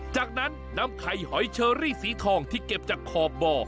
จากนั้นนำไข่หอยเชอรี่สีทองที่เก็บจากขอบบ่อ